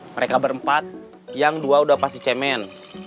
mereka berempat yang dua udah pasti cemen